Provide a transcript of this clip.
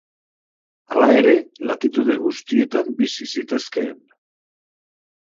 Hala ere latitude guztietan bizi zitezkeen.